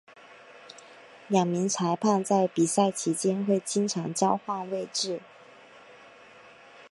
两名裁判在比赛期间会经常交换位置。